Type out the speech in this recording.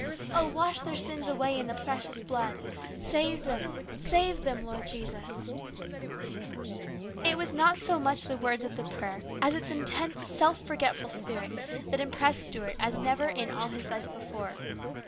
Oh, wash their sins away in the precious blood ! Save them, save them, Lord Jesus !" It was not so much the words of the prayer as its intense self forgetful spirit that impressed Stuart as never in all his life before.